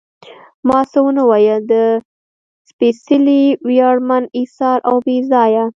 ما څه ونه ویل، د سپېڅلي، ویاړمن، اېثار او بې ځایه.